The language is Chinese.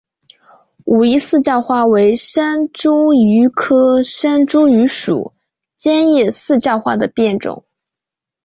武夷四照花为山茱萸科山茱萸属尖叶四照花的变种。